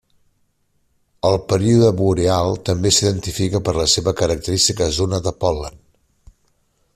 El període boreal també s'identifica per la seva característica zona de pol·len.